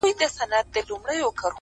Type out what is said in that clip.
تیاره وریځ ده ـ باد دی باران دی ـ